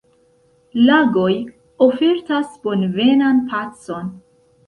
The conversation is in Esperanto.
Lagoj ofertas bonvenan pacon.